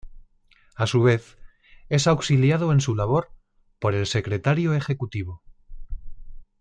A su vez, es auxiliado en su labor, por el Secretario Ejecutivo.